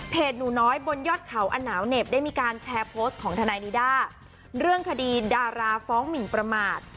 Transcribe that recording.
หนูน้อยบนยอดเขาอนาวเหน็บได้มีการแชร์โพสต์ของทนายนิด้าเรื่องคดีดาราฟ้องหมินประมาท